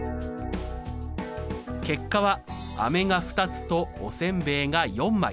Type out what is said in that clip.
結果は飴が２つとおせんべいが４枚。